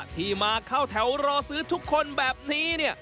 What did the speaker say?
ที่มาเข้าแถวรอซื้อทุกคนแบบนี้เนี่ย